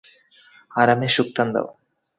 আরামে সুখটান দাও।